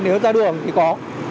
nếu ra đường thì có